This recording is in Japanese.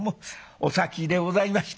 お先でございまして」。